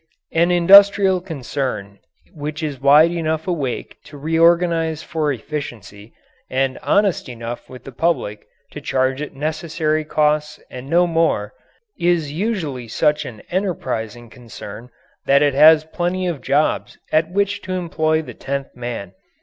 An industrial concern which is wide enough awake to reorganize for efficiency, and honest enough with the public to charge it necessary costs and no more, is usually such an enterprising concern that it has plenty of jobs at which to employ the tenth man.